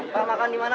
pak makan dimana